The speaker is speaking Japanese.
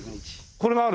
これがある。